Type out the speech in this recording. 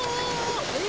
え？